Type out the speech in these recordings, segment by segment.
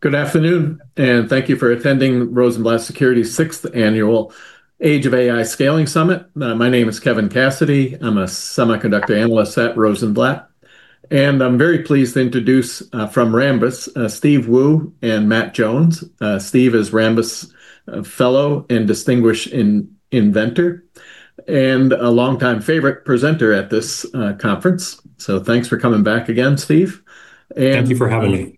Good afternoon, and thank you for attending Rosenblatt Securities' sixth Annual Age of AI Technology Summit. My name is Kevin Cassidy. I'm a Semiconductor Analyst at Rosenblatt, and I'm very pleased to introduce, from Rambus, Steve Woo and Matt Jones. Steve is Rambus' Fellow and Distinguished Inventor, and a longtime favorite presenter at this conference. Thanks for coming back again, Steve. Thank you for having me.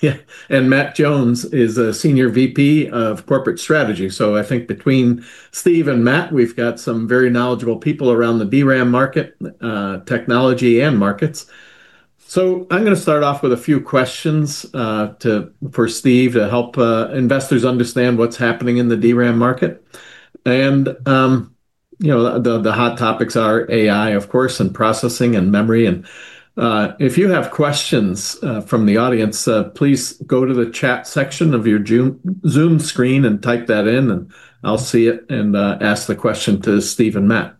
Yeah. Matt Jones is a Senior VP of Corporate Strategy. I think between Steve and Matt, we've got some very knowledgeable people around the DRAM market, technology and markets. I'm going to start off with a few questions for Steve to help investors understand what's happening in the DRAM market. The hot topics are AI, of course, and processing and memory. If you have questions from the audience, please go to the chat section of your Zoom screen and type that in, and I'll see it and ask the question to Steve and Matt.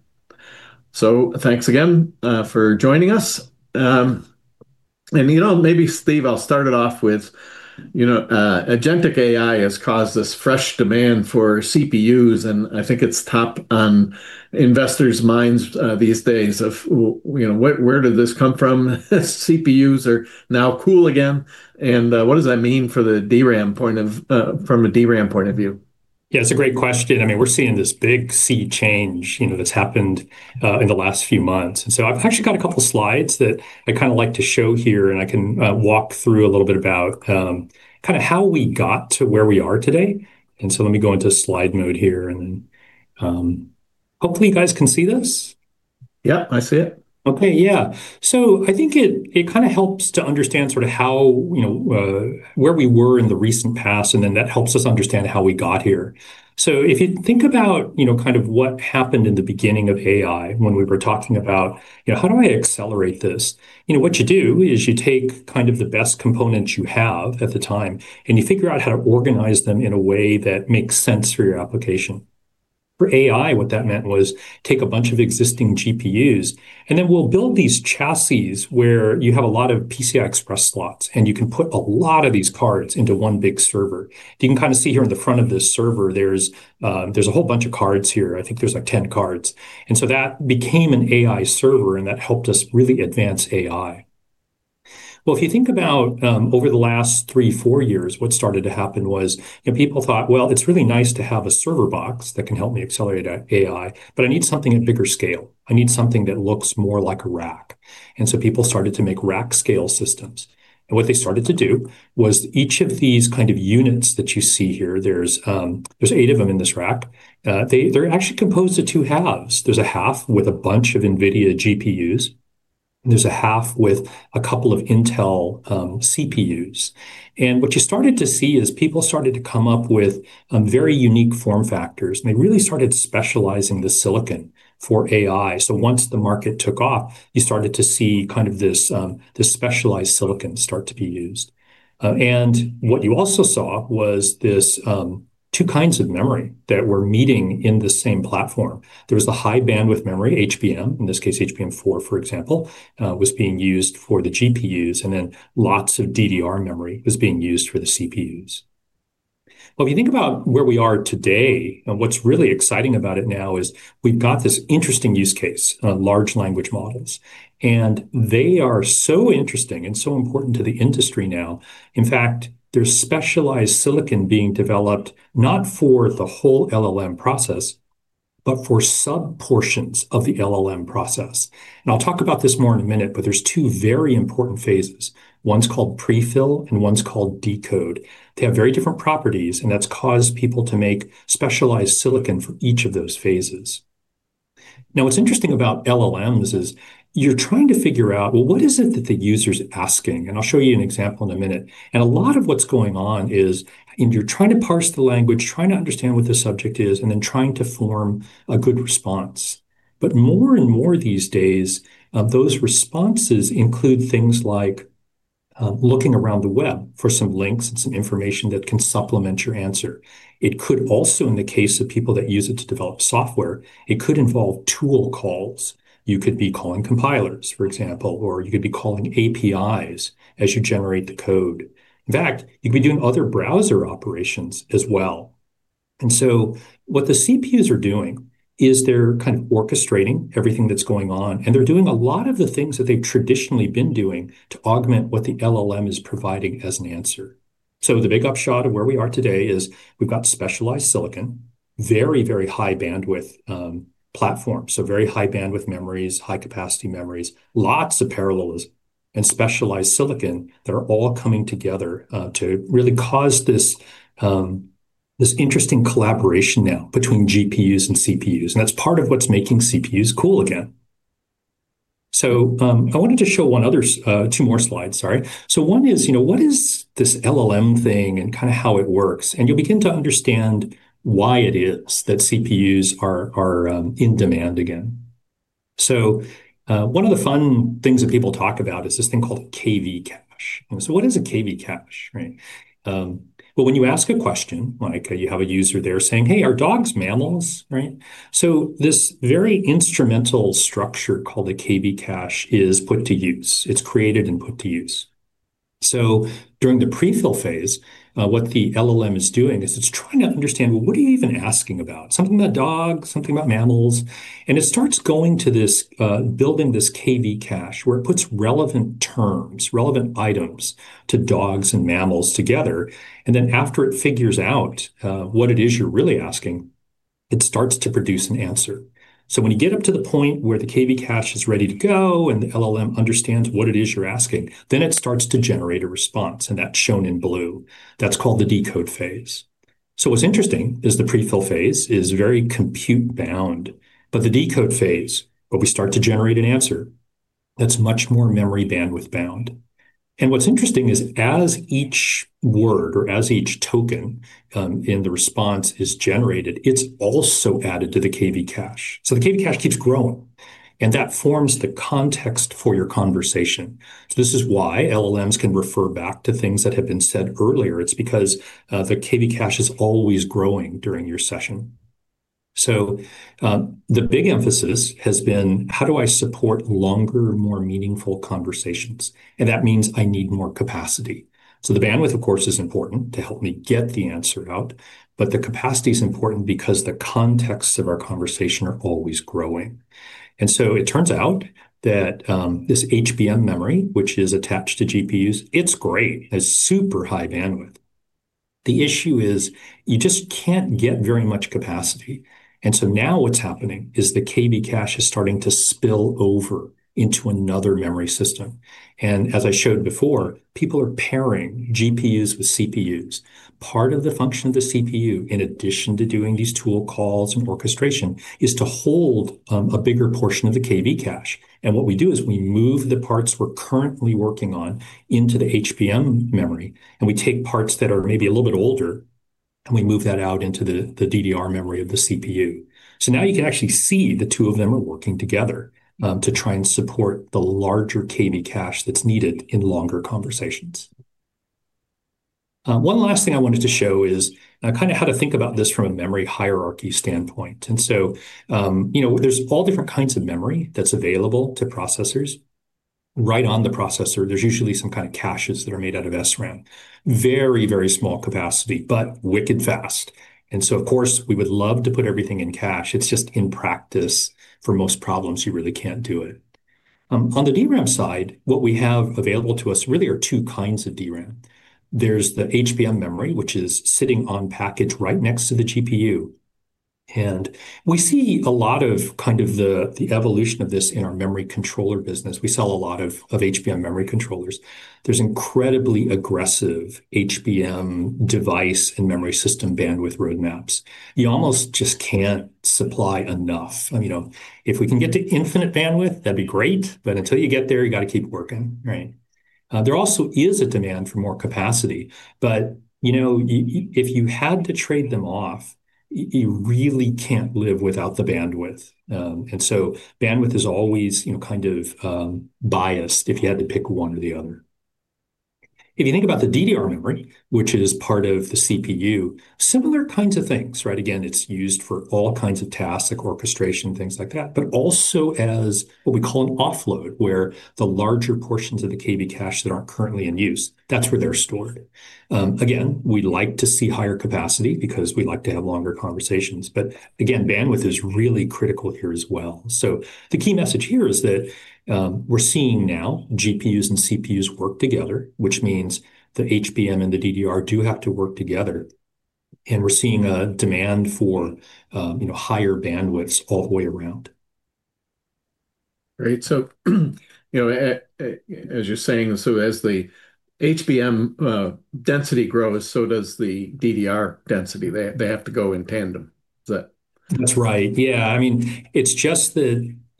Thanks again for joining us. Maybe Steve, I'll start it off with agentic AI has caused this fresh demand for CPUs, and I think it's top on investors' minds these days of where did this come from? CPUs are now cool again. What does that mean from a DRAM point of view? Yeah, it's a great question. We're seeing this big sea change that's happened in the last few months. I've actually got a couple slides that I'd like to show here, and I can walk through a little bit about how we got to where we are today. Let me go into slide mode here, and then hopefully you guys can see this. Yeah, I see it. Okay. Yeah. I think it helps to understand where we were in the recent past, and then that helps us understand how we got here. If you think about what happened in the beginning of AI when we were talking about, "How do I accelerate this?" What you do is you take the best components you have at the time, and you figure out how to organize them in a way that makes sense for your application. For AI, what that meant was take a bunch of existing GPUs, and then we'll build these chassis where you have a lot of PCI Express slots, and you can put a lot of these cards into one big server. You can see here in the front of this server, there's a whole bunch of cards here. I think there's, like, 10 cards. That became an AI server, and that helped us really advance AI. Well, if you think about over the last three, four years, what started to happen was people thought, "Well, it's really nice to have a server box that can help me accelerate AI, but I need something at bigger scale. I need something that looks more like a rack." People started to make rack scale systems. What they started to do was each of these units that you see here, there's eight of them in this rack, they're actually composed of two halves. There's a half with a bunch of NVIDIA GPUs, and there's a half with a couple of Intel CPUs. What you started to see is people started to come up with very unique form factors, and they really started specializing the silicon for AI. Once the market took off, you started to see this specialized silicon start to be used. What you also saw was this two kinds of memory that were meeting in the same platform. There was the high bandwidth memory, HBM, in this case, HBM4, for example, was being used for the GPUs, then lots of DDR memory was being used for the CPUs. If you think about where we are today, what's really exciting about it now is we've got this interesting use case, large language models. They are so interesting and so important to the industry now. In fact, there's specialized silicon being developed not for the whole LLM process, but for subportions of the LLM process. I'll talk about this more in a minute, but there's two very important phases. One's called prefill and one's called decode. They have very different properties, and that's caused people to make specialized silicon for each of those phases. What's interesting about LLMs is you're trying to figure out, well, what is it that the user's asking? I'll show you an example in a minute. A lot of what's going on is you're trying to parse the language, trying to understand what the subject is, then trying to form a good response. More and more these days, those responses include things like looking around the web for some links and some information that can supplement your answer. It could also, in the case of people that use it to develop software, it could involve tool calls. You could be calling compilers, for example, or you could be calling APIs as you generate the code. In fact, you could be doing other browser operations as well. What the CPUs are doing is they're orchestrating everything that's going on, and they're doing a lot of the things that they've traditionally been doing to augment what the LLM is providing as an answer. The big upshot of where we are today is we've got specialized silicon, very high bandwidth platform, so very high bandwidth memories, high capacity memories, lots of parallelism and specialized silicon that are all coming together to really cause this interesting collaboration now between GPUs and CPUs, and that's part of what's making CPUs cool again. I wanted to show two more slides, sorry. One is, what is this LLM thing and how it works, and you'll begin to understand why it is that CPUs are in demand again. One of the fun things that people talk about is this thing called KV cache. What is a KV cache, right? Well, when you ask a question, like you have a user there saying, "Hey, are dogs mammals?" Right? This very instrumental structure called a KV cache is put to use. It's created and put to use. So during the prefill phase, what the LLM is doing is it's trying to understand, well, what are you even asking about? Something about dogs, something about mammals. It starts going to this, building this KV cache, where it puts relevant terms, relevant items to dogs and mammals together, then after it figures out what it is you're really asking, it starts to produce an answer. When you get up to the point where the KV cache is ready to go, and the LLM understands what it is you're asking, then it starts to generate a response, and that's shown in blue. That's called the decode phase. What's interesting is the prefill phase is very compute bound, but the decode phase, where we start to generate an answer, that's much more memory bandwidth bound. What's interesting is as each word or as each token in the response is generated, it's also added to the KV cache. The KV cache keeps growing, and that forms the context for your conversation. This is why LLMs can refer back to things that have been said earlier. It's because the KV cache is always growing during your session. The big emphasis has been, how do I support longer, more meaningful conversations? That means I need more capacity. The bandwidth, of course, is important to help me get the answer out, but the capacity's important because the contexts of our conversation are always growing. It turns out that this HBM memory, which is attached to GPUs, it's great. It's super high bandwidth. The issue is you just can't get very much capacity. Now what's happening is the KV cache is starting to spill over into another memory system. As I showed before, people are pairing GPUs with CPUs. Part of the function of the CPU, in addition to doing these tool calls and orchestration, is to hold a bigger portion of the KV cache. What we do is we move the parts we're currently working on into the HBM memory, and we take parts that are maybe a little bit older, and we move that out into the DDR memory of the CPU. Now you can actually see the two of them are working together, to try and support the larger KV cache that's needed in longer conversations. One last thing I wanted to show is kind of how to think about this from a memory hierarchy standpoint. There's all different kinds of memory that's available to processors. Right on the processor, there's usually some kind of caches that are made out of SRAM. Very, very small capacity, but wicked fast. Of course, we would love to put everything in cache. It's just in practice for most problems, you really can't do it. On the DRAM side, what we have available to us really are two kinds of DRAM. There's the HBM memory, which is sitting on package right next to the GPU. We see a lot of the evolution of this in our memory controller business. We sell a lot of HBM memory controllers. There's incredibly aggressive HBM device and memory system bandwidth roadmaps. You almost just can't supply enough. If we can get to infinite bandwidth, that'd be great, but until you get there, you got to keep working, right? There also is a demand for more capacity, but if you had to trade them off, you really can't live without the bandwidth. Bandwidth is always kind of biased if you had to pick one or the other. If you think about the DDR memory, which is part of the CPU, similar kinds of things, right? Again, it's used for all kinds of tasks, like orchestration, things like that, but also as what we call an offload, where the larger portions of the KV cache that aren't currently in use, that's where they're stored. We like to see higher capacity because we like to have longer conversations, bandwidth is really critical here as well. The key message here is that, we're seeing now GPUs and CPUs work together, which means the HBM and the DDR do have to work together, and we're seeing a demand for higher bandwidths all the way around. Right. As you're saying, as the HBM density grows, so does the DDR density. They have to go in tandem? That's right. Yeah. It's just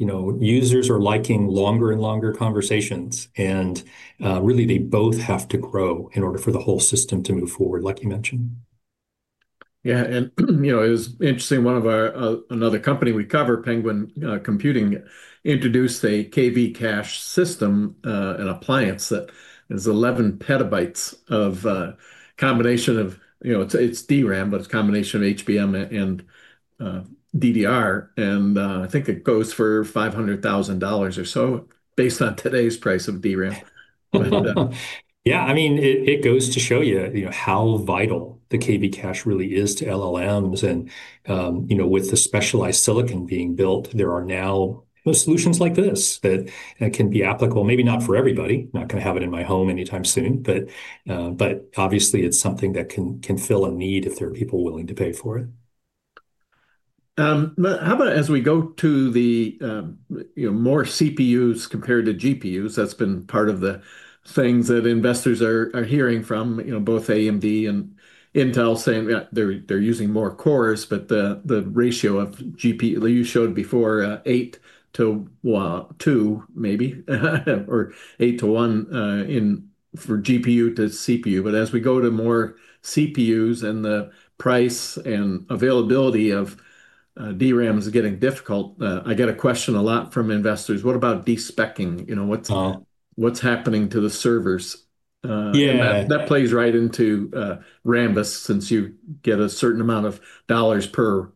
that users are liking longer and longer conversations and, really they both have to grow in order for the whole system to move forward, like you mentioned. Yeah. It was interesting, another company we cover, Penguin Computing, introduced a KV cache system, an appliance that is 11 PB of a combination of, it's DRAM, but it's a combination of HBM and DDR, and I think it goes for $500,000 or so based on today's price of DRAM. Yeah, it goes to show you how vital the KV cache really is to LLMs and, with the specialized silicon being built, there are now solutions like this that can be applicable, maybe not for everybody, I'm not going to have it in my home anytime soon, but obviously it's something that can fill a need if there are people willing to pay for it. How about as we go to the more CPUs compared to GPUs, that's been part of the things that investors are hearing from both AMD and Intel saying that they're using more cores, but the ratio of You showed before, 8:2 maybe, or 8:1 for GPU to CPU, but as we go to more CPUs and the price and availability of DRAMs getting difficult, I get a question a lot from investors, what about de-speccing? What's happening to the servers? That plays right into Rambus, since you get a certain amount of $ per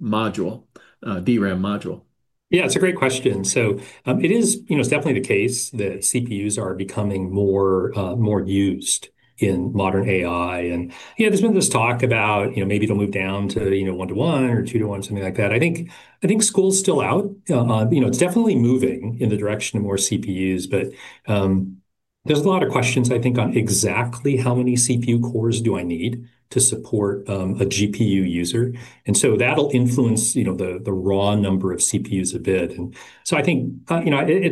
module, DRAM module? It's a great question. It is definitely the case that CPUs are becoming more used in modern AI. There's been this talk about maybe it'll move down to 1 to 1 or 2 to 1, something like that. I think school's still out. It's definitely moving in the direction of more CPUs, but there's a lot of questions, I think, on exactly how many CPU cores do I need to support a GPU user. That'll influence the raw number of CPUs a bit. I think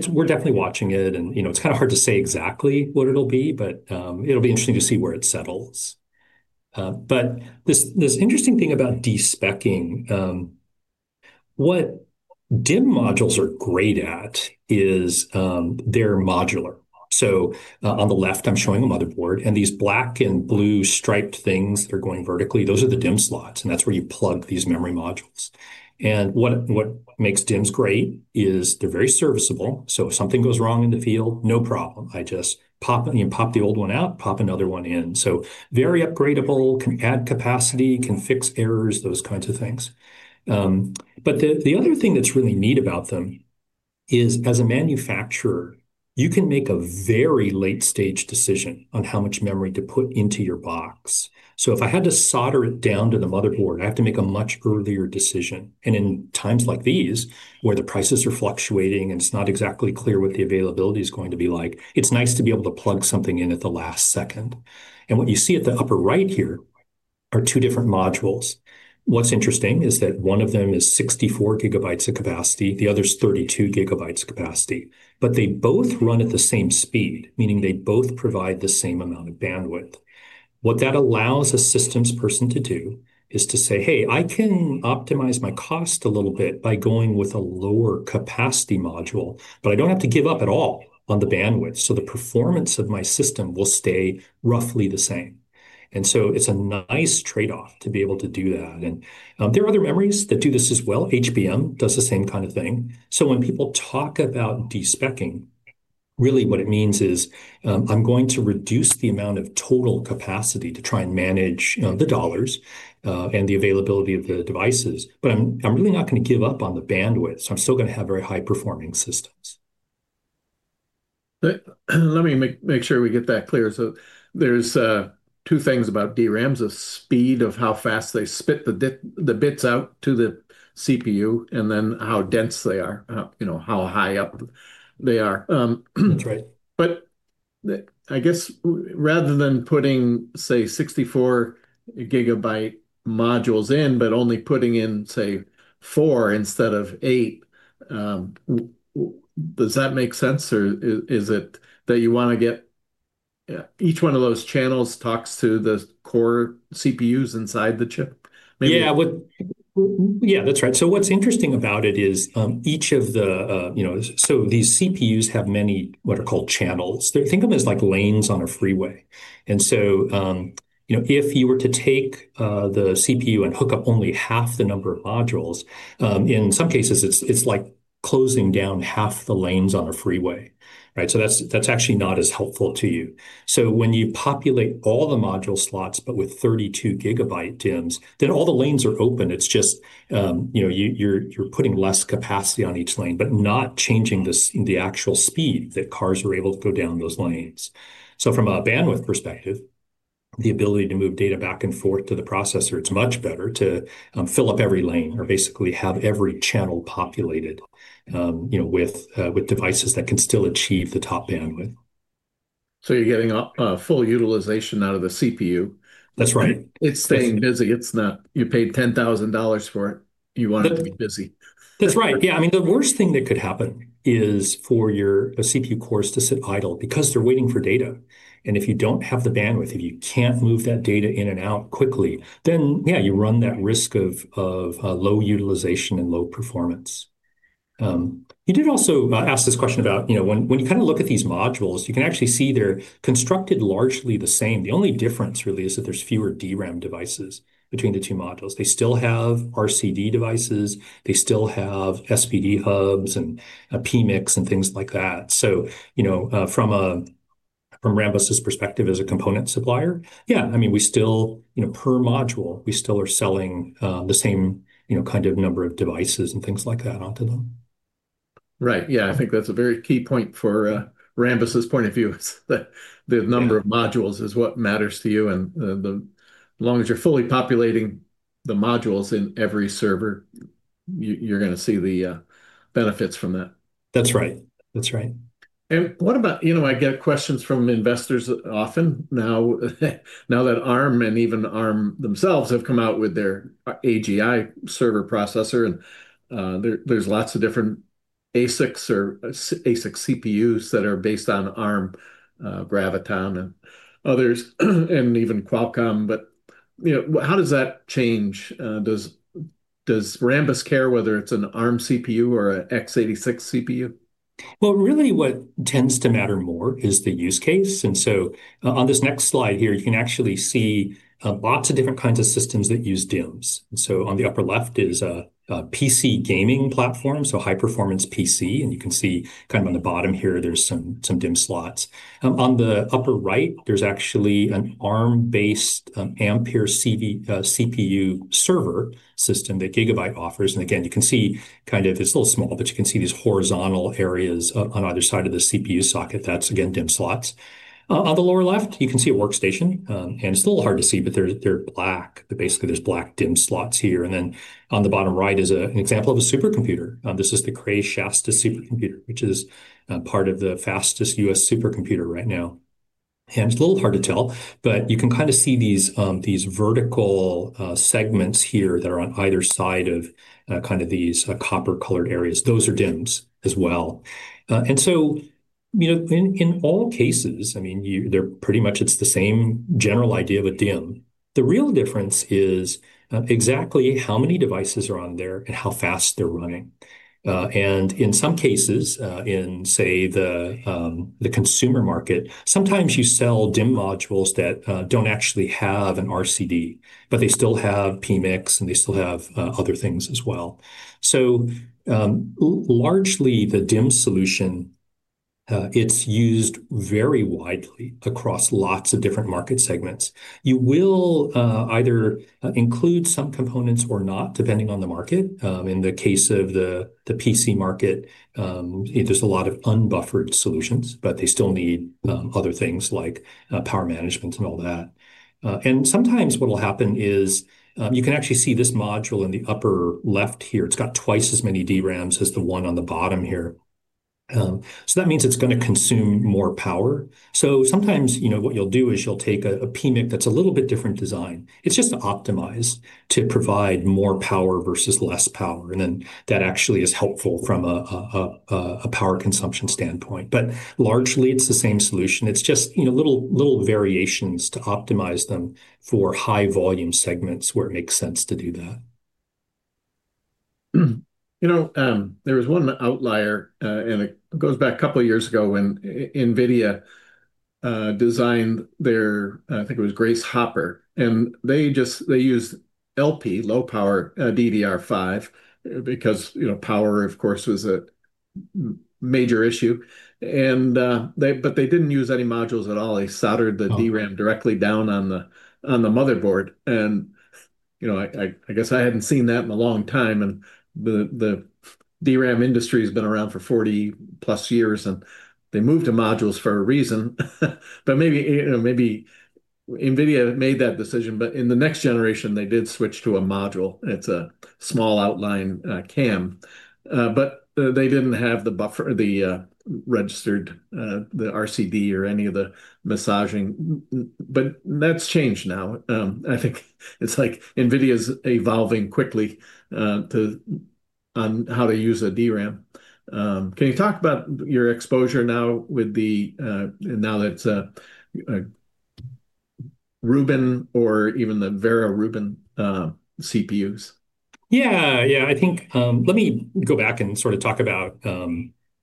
we're definitely watching it and it's kind of hard to say exactly what it'll be, but it'll be interesting to see where it settles. This interesting thing about de-speccing, what DIMM modules are great at is they're modular. On the left, I'm showing a motherboard, and these black and blue striped things that are going vertically, those are the DIMM slots, and that's where you plug these memory modules. What makes DIMMs great is they're very serviceable, so if something goes wrong in the field, no problem. I just pop the old one out, pop another one in. Very upgradable, can add capacity, can fix errors, those kinds of things. The other thing that's really neat about them is, as a manufacturer, you can make a very late stage decision on how much memory to put into your box. If I had to solder it down to the motherboard, I have to make a much earlier decision. In times like these, where the prices are fluctuating and it's not exactly clear what the availability's going to be like, it's nice to be able to plug something in at the last second. What you see at the upper right here are two different modules. What's interesting is that one of them is 64 gigabytes of capacity, the other's 32 gigabytes capacity. They both run at the same speed, meaning they both provide the same amount of bandwidth. What that allows a systems person to do is to say, "Hey, I can optimize my cost a little bit by going with a lower capacity module, but I don't have to give up at all on the bandwidth. The performance of my system will stay roughly the same." It's a nice trade-off to be able to do that. There are other memories that do this as well. HBM does the same kind of thing. When people talk about de-speccing, really what it means is, I'm going to reduce the amount of total capacity to try and manage the dollars and the availability of the devices, but I'm really not going to give up on the bandwidth, so I'm still going to have very high-performing systems. Let me make sure we get that clear. There's two things about DRAM, the speed of how fast they spit the bits out to the CPU, and then how dense they are, how high up they are. That's right. I guess rather than putting, say, 64 GB modules in, only putting in, say, 4 GB instead of 8 GB, does that make sense, or is it that you want to get each one of those channels talks to the core CPUs inside the chip? Maybe. Yeah. That's right. What's interesting about it is, these CPUs have many, what are called channels. Think of them as like lanes on a freeway. If you were to take the CPU and hook up only half the number of modules, in some cases, it's like closing down half the lanes on a freeway, right? That's actually not as helpful to you. When you populate all the module slots but with 32 GB DIMMs, then all the lanes are open. It's just you're putting less capacity on each lane, but not changing the actual speed that cars are able to go down those lanes. From a bandwidth perspective, the ability to move data back and forth to the processor, it's much better to fill up every lane or basically have every channel populated with devices that can still achieve the top bandwidth. You're getting a full utilization out of the CPU. That's right. It's staying busy. You paid $10,000 for it. You want it to be busy. That's right. Yeah, the worst thing that could happen is for your CPU cores to sit idle because they're waiting for data. If you don't have the bandwidth, if you can't move that data in and out quickly, then yeah, you run that risk of low utilization and low performance. You did also ask this question about when you look at these modules, you can actually see they're constructed largely the same. The only difference really is that there's fewer DRAM devices between the two modules. They still have RCD devices, they still have SPD hubs and PMICs and things like that. From Rambus' perspective as a component supplier, yeah, per module, we still are selling the same kind of number of devices and things like that onto them. Right. Yeah, I think that's a very key point for Rambus' point of view, is that the number of modules is what matters to you, and as long as you're fully populating the modules in every server, you're going to see the benefits from that. That's right. What about, I get questions from investors often now that Arm and even Arm themselves have come out with their Arm AGI CPU, there's lots of different ASICs or ASIC CPUs that are based on Arm Graviton and others, and even Qualcomm. How does that change? Does Rambus care whether it's an Arm CPU or a X86 CPU? Well, really what tends to matter more is the use case. On this next slide here, you can actually see lots of different kinds of systems that use DIMMs. On the upper left is a PC gaming platform, so high-performance PC, and you can see on the bottom here, there's some DIMM slots. On the upper right, there's actually an Arm-based Ampere CPU server system that Gigabyte offers. Again, you can see, it's a little small, but you can see these horizontal areas on either side of the CPU socket, that's again DIMM slots. On the lower left, you can see a workstation. It's a little hard to see, but they're black. Basically, there's black DIMM slots here, then on the bottom right is an example of a supercomputer. This is the Cray Shasta supercomputer, which is part of the fastest U.S. supercomputer right now. It's a little hard to tell, but you can kind of see these vertical segments here that are on either side of these copper-colored areas. Those are DIMMs as well. In all cases, pretty much it's the same general idea of a DIMM. The real difference is exactly how many devices are on there and how fast they're running. In some cases, in, say, the consumer market, sometimes you sell DIMM modules that don't actually have an RCD, but they still have PMICs, and they still have other things as well. Largely, the DIMM solution, it's used very widely across lots of different market segments. You will either include some components or not, depending on the market. In the case of the PC market, there's a lot of unbuffered solutions, but they still need other things like power management and all that. Sometimes what'll happen is, you can actually see this module in the upper left here, it's got twice as many DRAMs as the one on the bottom here. That means it's going to consume more power. Sometimes, what you'll do is you'll take a PMIC that's a little bit different design. It's just to optimize, to provide more power versus less power, and then that actually is helpful from a power consumption standpoint. Largely it's the same solution. It's just little variations to optimize them for high volume segments where it makes sense to do that. There was one outlier, it goes back a couple of years ago when NVIDIA designed their, I think it was Grace Hopper. They used LP, low power DDR5 because power, of course, was a major issue. They didn't use any modules at all. They soldered the DRAM directly down on the motherboard. I guess I hadn't seen that in a long time. The DRAM industry has been around for 40+ years, and they moved to modules for a reason. Maybe NVIDIA made that decision, but in the next generation, they did switch to a module. It's a small outline CAM. They didn't have the buffer, the registered, the RCD or any of the massaging. That's changed now. I think it's like NVIDIA's evolving quickly on how to use a DRAM. Can you talk about your exposure now with the, now that's Rubin or even the Vera Rubin CPUs? Let me go back and talk about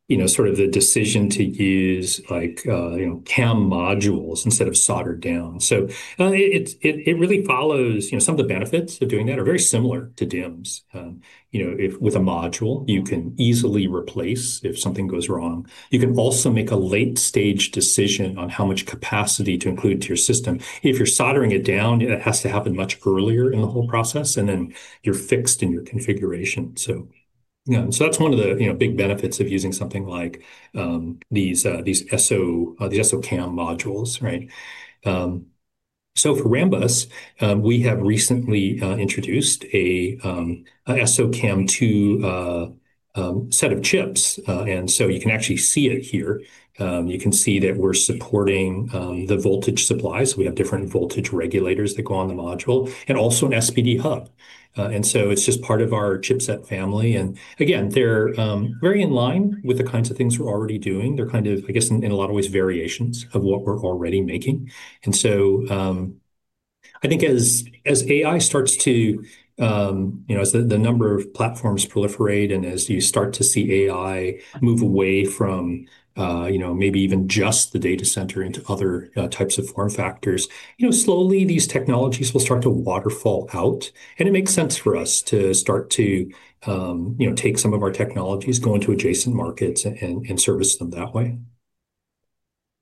the decision to use CAM modules instead of soldered down. It really follows, some of the benefits of doing that are very similar to DIMMs. With a module, you can easily replace if something goes wrong. You can also make a late-stage decision on how much capacity to include into your system. If you're soldering it down, it has to happen much earlier in the whole process, and then you're fixed in your configuration. That's one of the big benefits of using something like these SOCAMM modules, right? For Rambus, we have recently introduced a SOCAMM2 set of chips. You can actually see it here. You can see that we're supporting the voltage supplies. We have different voltage regulators that go on the module, and also an SPD hub. It's just part of our chipset family. Again, they're very in line with the kinds of things we're already doing. They're, I guess in a lot of ways, variations of what we're already making. I think as AI starts to, as the number of platforms proliferate, and as you start to see AI move away from maybe even just the data center into other types of form factors, slowly these technologies will start to waterfall out, and it makes sense for us to start to take some of our technologies, go into adjacent markets, and service them that way.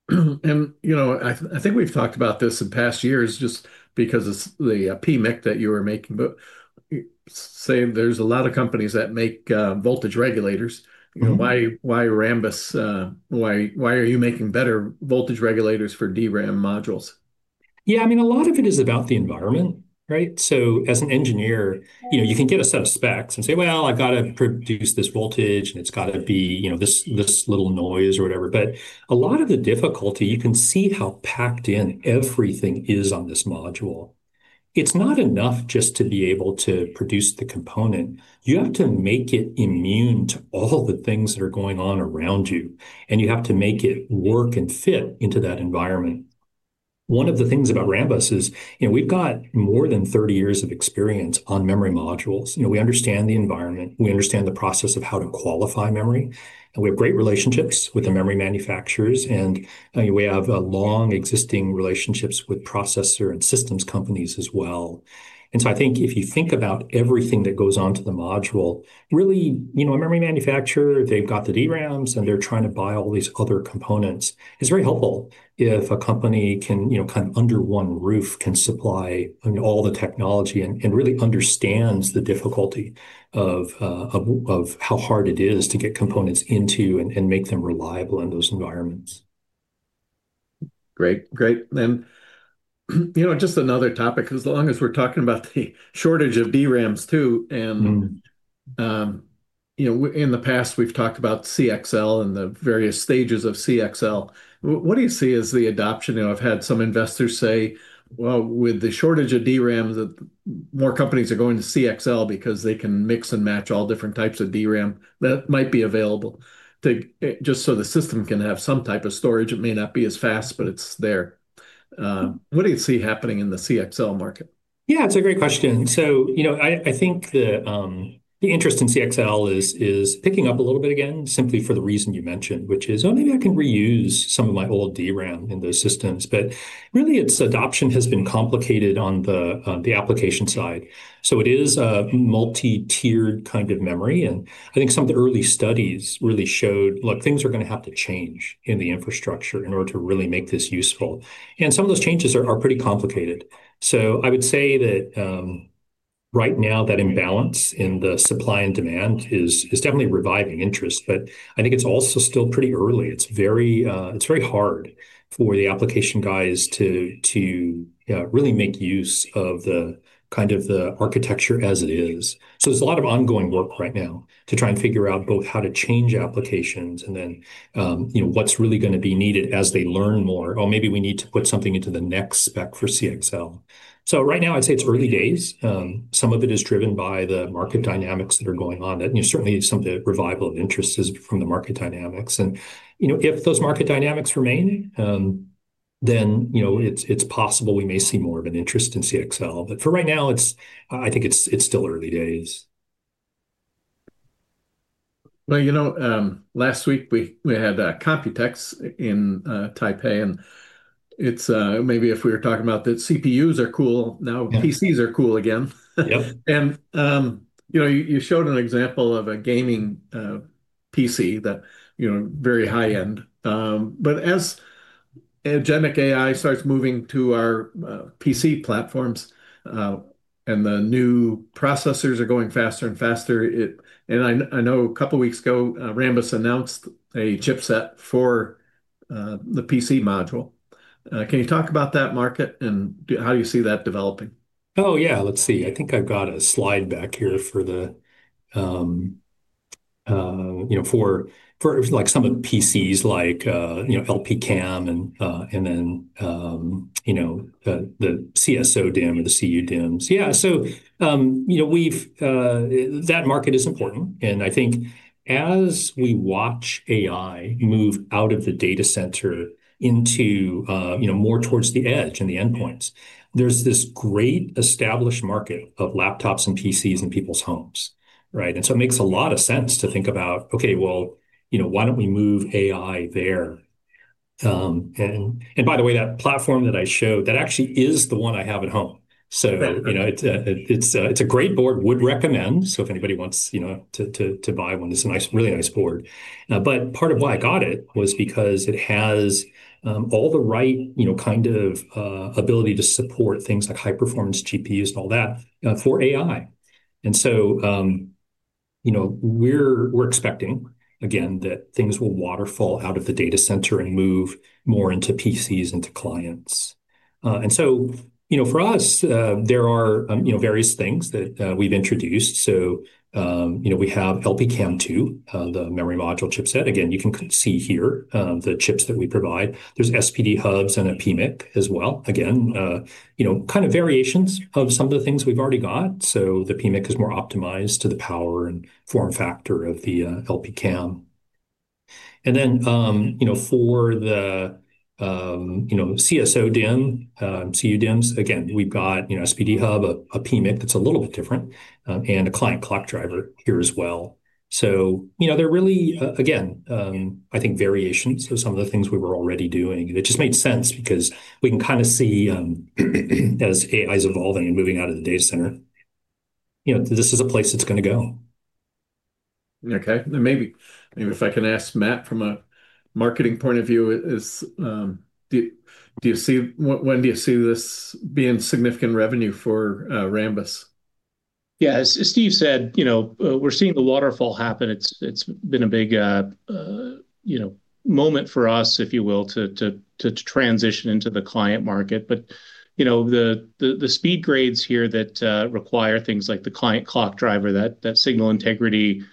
I think we've talked about this in past years just because it's the PMIC that you were making. Say there's a lot of companies that make voltage regulators. Why Rambus? Why are you making better voltage regulators for DRAM modules? As an engineer, you can get a set of specs and say, "Well, I've got to produce this voltage, and it's got to be this little noise," or whatever. A lot of the difficulty, you can see how packed in everything is on this module. It's not enough just to be able to produce the component. You have to make it immune to all the things that are going on around you, and you have to make it work and fit into that environment. One of the things about Rambus is we've got more than 30 years of experience on memory modules. We understand the environment, we understand the process of how to qualify memory, and we have great relationships with the memory manufacturers, and we have long existing relationships with processor and systems companies as well. I think if you think about everything that goes onto the module, really, a memory manufacturer, they've got the DRAMs, and they're trying to buy all these other components. It's very helpful if a company can, kind of under one roof, can supply all the technology and really understands the difficulty of how hard it is to get components into and make them reliable in those environments. Great. Just another topic, as long as we're talking about the shortage of DRAMs, too, in the past, we've talked about CXL and the various stages of CXL. What do you see as the adoption? I've had some investors say, "Well, with the shortage of DRAM, that more companies are going to CXL because they can mix and match all different types of DRAM that might be available, just so the system can have some type of storage. It may not be as fast, but it's there." What do you see happening in the CXL market? It's a great question. I think the interest in CXL is picking up a little bit again, simply for the reason you mentioned, which is, oh, maybe I can reuse some of my old DRAM in those systems. Really, its adoption has been complicated on the application side. It is a multi-tiered kind of memory, and I think some of the early studies really showed, look, things are going to have to change in the infrastructure in order to really make this useful. Some of those changes are pretty complicated. I would say that right now, that imbalance in the supply and demand is definitely reviving interest, but I think it's also still pretty early. It's very hard for the application guys to really make use of the architecture as it is. There's a lot of ongoing work right now to try and figure out both how to change applications and then what's really going to be needed as they learn more. Maybe we need to put something into the next spec for CXL. Right now, I'd say it's early days. Some of it is driven by the market dynamics that are going on. Certainly, some of the revival of interest is from the market dynamics. If those market dynamics remain, then it's possible we may see more of an interest in CXL. For right now, I think it's still early days. Well, last week we had COMPUTEX in Taipei, maybe if we were talking about that CPUs are cool, now PCs are cool again. You showed an example of a gaming PC, very high-end. As agentic AI starts moving to our PC platforms, the new processors are going faster and faster, I know a couple of weeks ago, Rambus announced a chipset for the PC module. Can you talk about that market and how you see that developing? Yeah. Let's see. I think I've got a slide back here for some of the PCs like LPCAMM2 and then the CSODIMM or the CUDIMMs. That market is important, I think as we watch AI move out of the data center into more towards the edge and the endpoints, there's this great established market of laptops and PCs in people's homes, right? It makes a lot of sense to think about, okay, well, why don't we move AI there? By the way, that platform that I showed, that actually is the one I have at home. It's a great board, would recommend, so if anybody wants to buy one, it's a really nice board. Part of why I got it was because it has all the right kind of ability to support things like high performance GPUs and all that for AI. We're expecting, again, that things will waterfall out of the data center and move more into PCs, into clients. For us, there are various things that we've introduced. We have LPCAMM2, the memory module chipset. Again, you can see here the chips that we provide. There are SPD hubs and a PMIC as well. Again, kind of variations of some of the things we've already got. The PMIC is more optimized to the power and form factor of the LPCAMM2. Then for the CSODIMM, CUDIMMs, again, we've got SPD hub, a PMIC that's a little bit different, and a client clock driver here as well. They're really, again, I think variations of some of the things we were already doing. It just made sense because we can kind of see as AI's evolving and moving out of the data center, this is a place it's going to go. Okay. Maybe if I can ask Matt from a marketing point of view, when do you see this being significant revenue for Rambus? Yeah. As Steve said, we're seeing the waterfall happen. It's been a big moment for us, if you will, to transition into the client market. The speed grades here that require things like the client clock driver, that signal integrity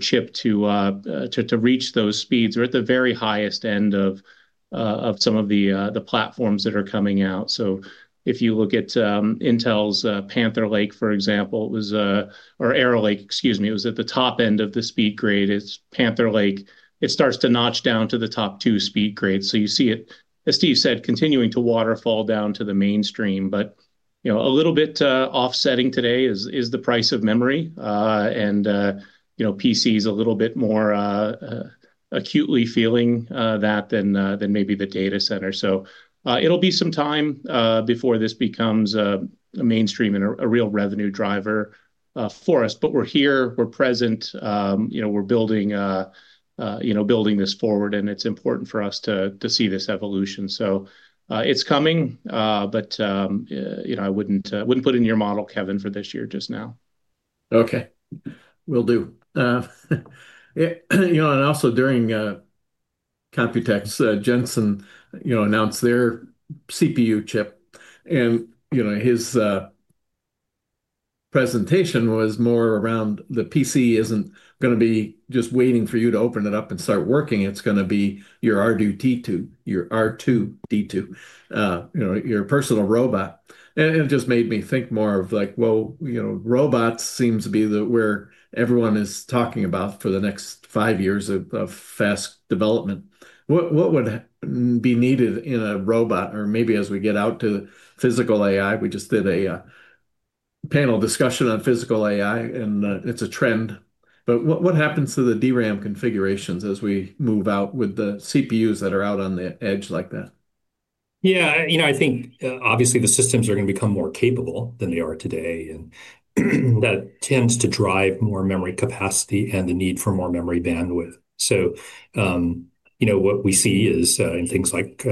chip to reach those speeds are at the very highest end of some of the platforms that are coming out. If you look at Intel's Panther Lake, for example, or Arrow Lake, excuse me, it was at the top end of the speed grade. It's Panther Lake, it starts to notch down to the top two speed grades. You see it, as Steve said, continuing to waterfall down to the mainstream. A little bit offsetting today is the price of memory, PCs a little bit more acutely feeling that than maybe the data center. It'll be some time before this becomes a mainstream and a real revenue driver for us. We're here, we're present, we're building this forward, and it's important for us to see this evolution. It's coming, but I wouldn't put in your model, Kevin, for this year just now. Okay. Will do. Also during COMPUTEX, Jensen announced their CPU chip, his presentation was more around the PC isn't going to be just waiting for you to open it up and start working. It's going to be your R2-D2, your personal robot. It just made me think more of like, well, robots seems to be where everyone is talking about for the next five years of fast development. What would be needed in a robot, or maybe as we get out to physical AI? We just did a panel discussion on physical AI, it's a trend. What happens to the DRAM configurations as we move out with the CPUs that are out on the edge like that? Yeah. I think, obviously, the systems are going to become more capable than they are today, that tends to drive more memory capacity and the need for more memory bandwidth. What we see is in things like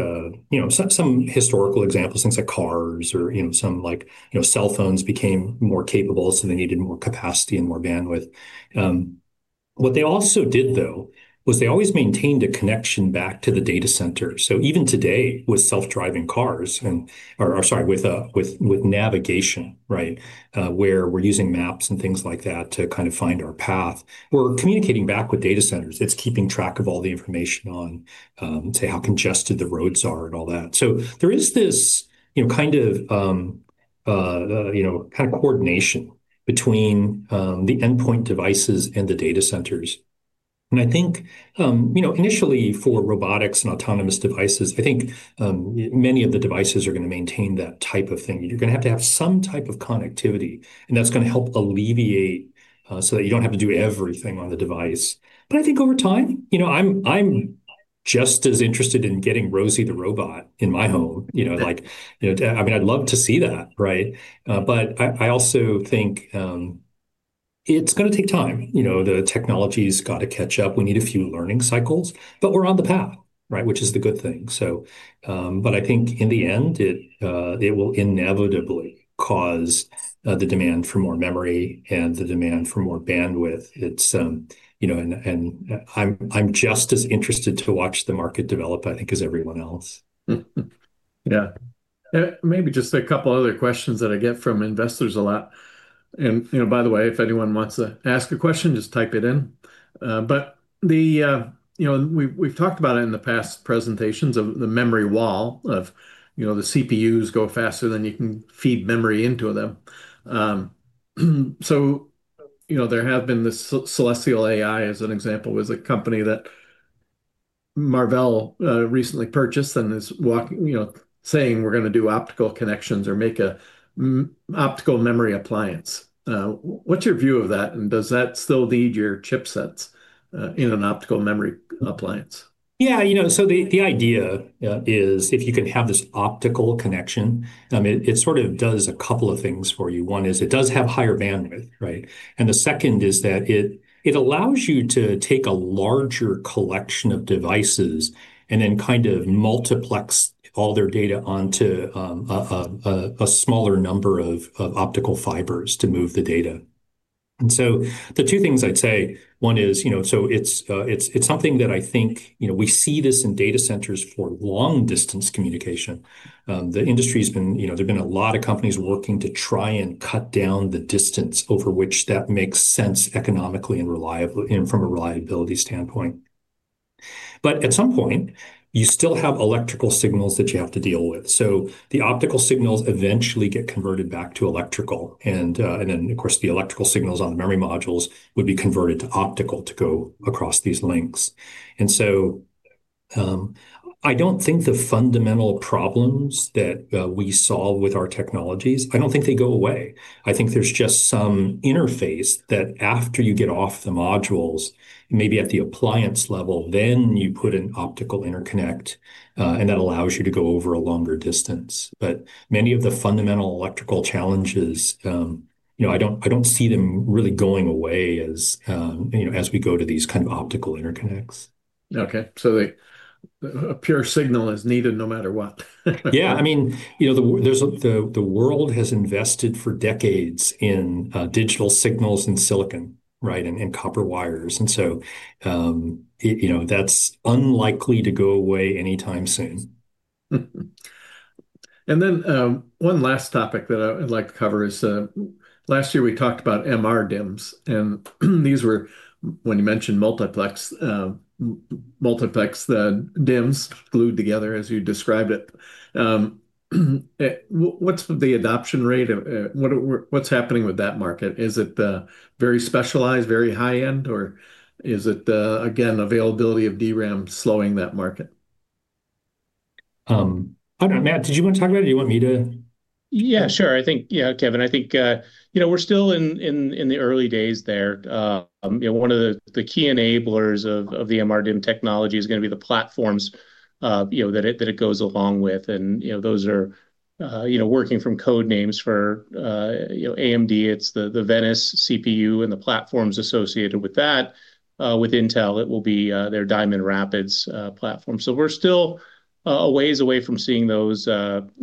some historical examples, things like cars or some cell phones became more capable, they needed more capacity and more bandwidth. What they also did, though, was they always maintained a connection back to the data center. Even today with self-driving cars or sorry, with navigation, where we're using maps and things like that to kind of find our path, we're communicating back with data centers. It's keeping track of all the information on, say, how congested the roads are and all that. There is this kind of coordination between the endpoint devices and the data centers. I think initially for robotics and autonomous devices, I think many of the devices are going to maintain that type of thing. You're going to have to have some type of connectivity, that's going to help alleviate, so that you don't have to do everything on the device. I think over time, I'm just as interested in getting Rosie the Robot in my home. I mean, I'd love to see that, right? I also think it's going to take time. The technology's got to catch up. We need a few learning cycles, we're on the path, which is the good thing. I think in the end, it will inevitably cause the demand for more memory and the demand for more bandwidth. I'm just as interested to watch the market develop, I think, as everyone else. Yeah. Maybe just a couple of other questions that I get from investors a lot, and by the way, if anyone wants to ask a question, just type it in. We've talked about it in the past presentations, of the memory wall, of the CPUs go faster than you can feed memory into them. There have been Celestial AI, as an example, was a company that Marvell recently purchased and is saying, "We're going to do optical connections or make a optical memory appliance." What's your view of that, and does that still need your chipsets in an optical memory appliance? Yeah. The idea is if you can have this optical connection, it sort of does a couple of things for you. One is it does have higher bandwidth, right? The second is that it allows you to take a larger collection of devices and then kind of multiplex all their data onto a smaller number of optical fibers to move the data. The two things I'd say, one is, it's something that I think we see this in data centers for long distance communication. There've been a lot of companies working to try and cut down the distance over which that makes sense economically and from a reliability standpoint. At some point, you still have electrical signals that you have to deal with. The optical signals eventually get converted back to electrical, and then, of course, the electrical signals on the memory modules would be converted to optical to go across these links. I don't think the fundamental problems that we solve with our technologies, I don't think they go away. I think there's just some interface that after you get off the modules, maybe at the appliance level, then you put an optical interconnect, and that allows you to go over a longer distance. Many of the fundamental electrical challenges, I don't see them really going away as we go to these kind of optical interconnects. Okay. A pure signal is needed no matter what. Yeah. I mean, the world has invested for decades in digital signals and silicon, copper wires, that's unlikely to go away anytime soon. Then, one last topic that I'd like to cover is, last year we talked about MRDIMMs, and these were when you mentioned multiplex, the DIMMs glued together as you described it. What's the adoption rate? What's happening with that market? Is it very specialized, very high-end, or is it, again, availability of DRAM slowing that market? I don't know, Matt, did you want to talk about it or do you want me to? Yeah, sure. Kevin, I think we're still in the early days there. One of the key enablers of the MRDIMM technology is going to be the platforms that it goes along with, and those are working from code names for AMD. It's the Venice CPU and the platforms associated with that. With Intel, it will be their Diamond Rapids platform. We're still a ways away from seeing those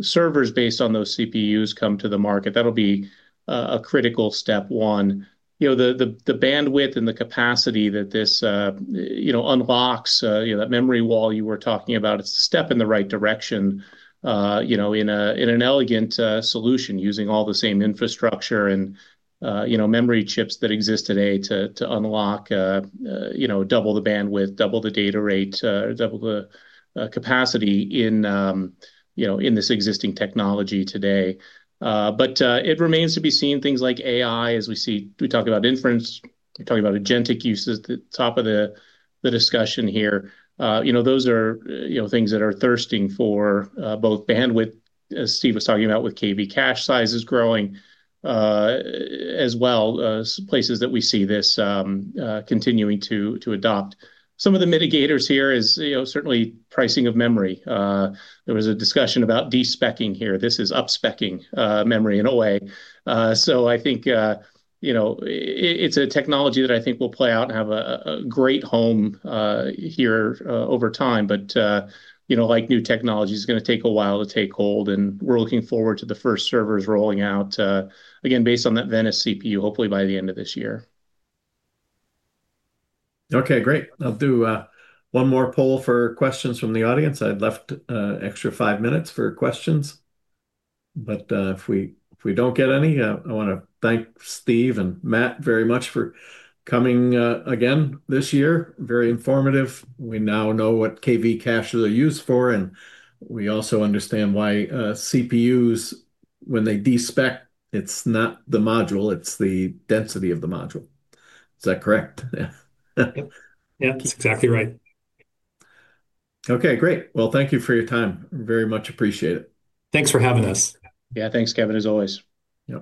servers based on those CPUs come to the market. That'll be a critical step one. The bandwidth and the capacity that this unlocks, that memory wall you were talking about, it's a step in the right direction in an elegant solution, using all the same infrastructure and memory chips that exist today to unlock, double the bandwidth, double the data rate, double the capacity in this existing technology today. It remains to be seen, things like AI, as we talk about inference, we talk about agentic use at the top of the discussion here. Those are things that are thirsting for both bandwidth, as Steve was talking about, with KV cache sizes growing, as well as places that we see this continuing to adopt. Some of the mitigators here is certainly pricing of memory. There was a discussion about de-speccing here. This is upspeccing memory in a way. I think it's a technology that I think will play out and have a great home here over time. Like new technology, it's going to take a while to take hold, and we're looking forward to the first servers rolling out, again, based on that Venice CPU, hopefully by the end of this year. Okay, great. I'll do one more poll for questions from the audience. I've left an extra five minutes for questions, but if we don't get any, I want to thank Steve and Matt very much for coming again this year. Very informative. We now know what KV caches are used for, and we also understand why CPUs, when they despec, it's not the module, it's the density of the module. Is that correct? Yep. That's exactly right. Okay, great. Well, thank you for your time. Very much appreciate it. Thanks for having us. Yeah. Thanks, Kevin, as always.